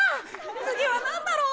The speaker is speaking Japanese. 次は何だろう？